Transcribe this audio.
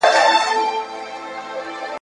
هغه له خپلي ميرمني څخه کرکه ونکړه.